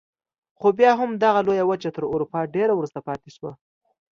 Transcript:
خو بیا هم دغه لویه وچه تر اروپا ډېره وروسته پاتې شوه.